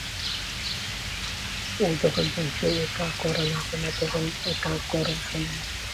ও যখন বলছে এটা করা যাবে না, তখন এটা করা অসম্ভব।